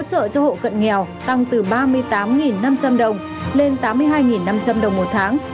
hỗ trợ cho hộ cận nghèo tăng từ ba mươi tám năm trăm linh đồng lên tám mươi hai năm trăm linh đồng một tháng